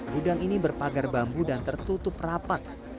gudang ini berpagar bambu dan tertutup rapat